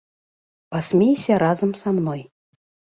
Пасмейся разам са мной.